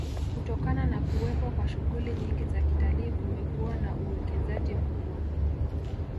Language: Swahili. Kutokana na kuwepo kwa shughuli nyingi za kitalii kumekuwa na uwekezaji mkubwa